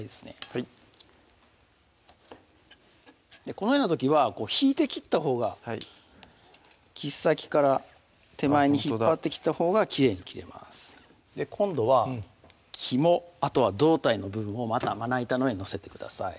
はいこのような時は引いて切ったほうが切っ先から手前に引っ張ってきたほうがきれいに切れます今度は肝あとは胴体の部分をまたまな板の上に載せてください